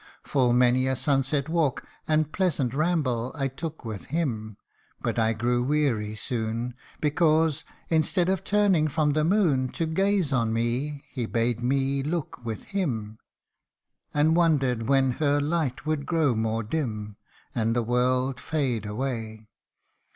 Full many a sunset walk, and pleasant ramble, I took with him ; but I grew weary soon, Because, instead of turning from the moon To gaze on me, he bade me look with him, And wondered when her light would grow more dim, And the world fade away.